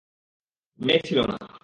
মেয়ে ছিল না।